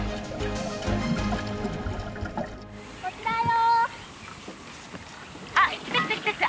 こっちだよ！